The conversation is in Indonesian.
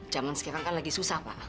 jangan sekirang kan lagi susah pak